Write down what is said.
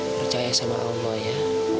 percaya sama allah ya